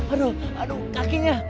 aduh aduh kakinya